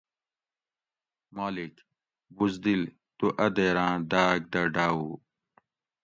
مالک: بزدل تُو اۤ دیراۤں داۤگ دہ ڈاۤوو